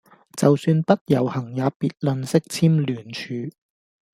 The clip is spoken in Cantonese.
就算不遊行也別吝嗇簽聯署